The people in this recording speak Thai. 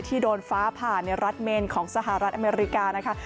โดนฟ้าผ่าในรัฐเมนของสหรัฐอเมริกานะคะ